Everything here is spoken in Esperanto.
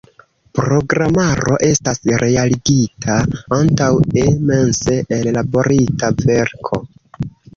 Programaro estas realigita antaŭe mense ellaborita verko.